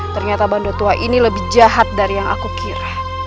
ternyata bandu tua ini lebih jahat dari yang aku kira